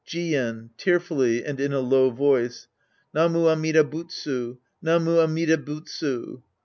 Jien [tearfully and in a low voice). Namu Amida Butsu ! Namu Amida Butsu